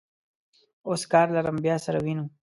اوس کار لرم، بیا سره وینو.